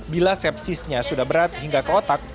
bila sepsisnya sudah berat hingga ke otak